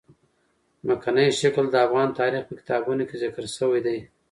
ځمکنی شکل د افغان تاریخ په کتابونو کې ذکر شوي دي.